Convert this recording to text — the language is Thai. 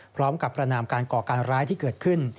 พร้อมกับประนามการก่อการร้ายที่เกิดขึ้น